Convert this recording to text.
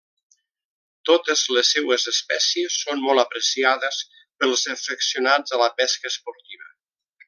Totes les seues espècies són molt apreciades pels afeccionats a la pesca esportiva.